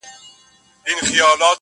ستونی ولي په نارو څیرې ناحقه-